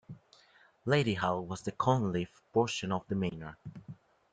Ladyhall was the Cunliffe portion of the manor.